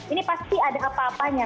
ini pasti ada apa apanya